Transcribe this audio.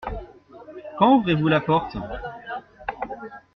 Quand ouvrez-vous la porte ?